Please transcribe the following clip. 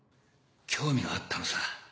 興味があったのさ。